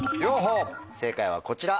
正解はこちら。